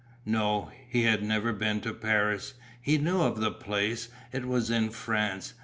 No, he had never been to Paris. He knew of the place, it was in France.